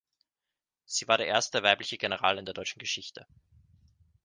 Sie war der erste weibliche General in der deutschen Geschichte.